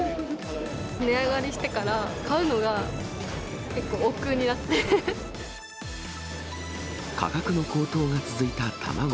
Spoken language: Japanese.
値上がりしてから、価格の高騰が続いた卵。